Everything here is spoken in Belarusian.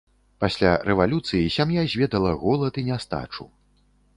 Пасля рэвалюцыі сям'я зведала голад і нястачу.